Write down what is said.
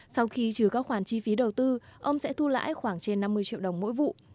sau khi trừ các khoản chi phí đầu tư ông sẽ thu lãi khoảng trên năm mươi triệu đồng mỗi vụ